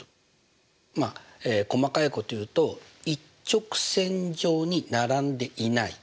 まあ細かいこと言うと一直線上に並んでいない。